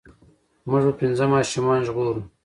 مونږ به پنځه ماشومان ژغورو.